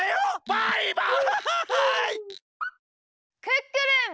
クックルン！